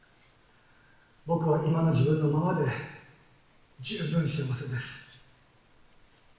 僕は今の自分のままで十分幸せです。